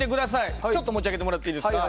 ちょっと持ち上げてもらっていいですか。